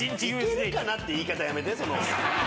「いけるかな」って言い方やめて。